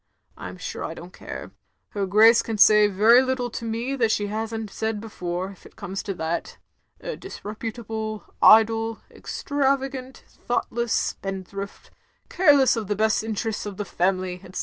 I'm stire I don't care. Her Grace can say very little to me that she has n't said before, if it comes to that. A disreputable, idle, extravagant, thoughtless spendthrift, care less of the best interests of the family, etc."